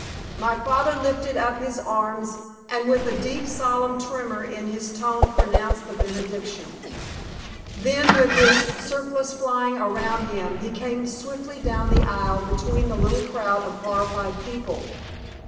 My father lifted up his arms, and with a deep, solemn tremor in his tone pronounced the Benediction. Then, with his surplice flying round him, he came swiftly down the aisle between the little crowd of horrified people.